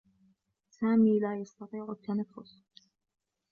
سامي لا يستطيع التنفس.